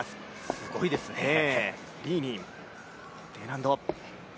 すごいですね、リー・ニン、Ｄ難度。